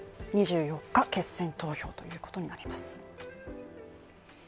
２４日、決選投票ということになります。